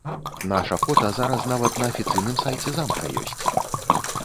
Наша фота зараз нават на афіцыйным сайце замка ёсць.